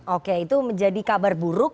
oke itu menjadi kabar buruk